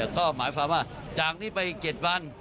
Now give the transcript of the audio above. ก็หมายความว่าจากนี้ไป๗วัน